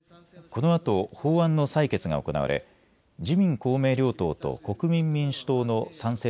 このあと法案の採決が行われ自民公明両党と国民民主党の賛成